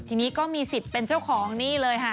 ทีนี้ก็มีสิทธิ์เป็นเจ้าของนี่เลยค่ะ